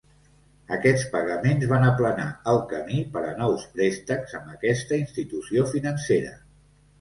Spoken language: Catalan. Aquests pagaments van aplanar el camí per a nous préstecs amb aquesta institució financera.